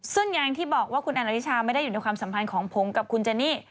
ซึ่งอย่างที่บอกว่าคุณแอนนาฬิชาไม่ได้อยู่ในความสัมพันธ์ของผมกับคุณเจนี่